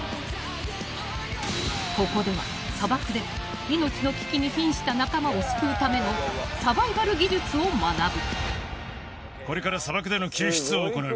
［ここでは砂漠で命の危機にひんした仲間を救うためのサバイバル技術を学ぶ］